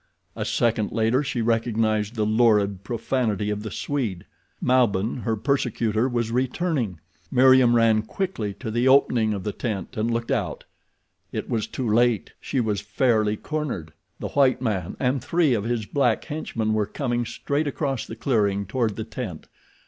A second later she recognized the lurid profanity of the Swede. Malbihn, her persecutor, was returning! Meriem ran quickly to the opening of the tent and looked out. It was too late! She was fairly cornered! The white man and three of his black henchmen were coming straight across the clearing toward the tent.